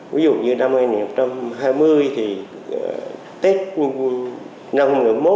ví dụ như năm hai nghìn hai mươi thì tết năm hai nghìn hai mươi một